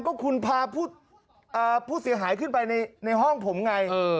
ก็คุณพาผู้เสียหายขึ้นไปในห้องผมไง